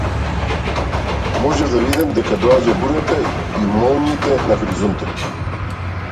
Можев да видам дека доаѓа бурата и молњите на хоризонтот.